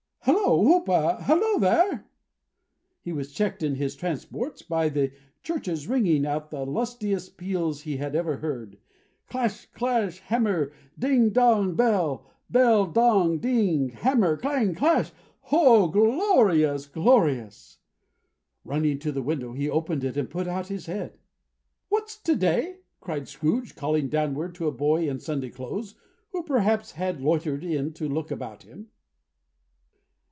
Hallo! Whoop! Hallo here!" He was checked in his transports by the churches ringing out the lustiest peals he had ever heard. Clash, clash, hammer; ding, dong, bell. Bell, dong, ding; hammer, clang, clash! Oh, glorious, glorious! Running to the window, he opened it and put out his head. "What's to day?" cried Scrooge, calling downward to a boy in Sunday clothes, who perhaps had loitered in to look about him.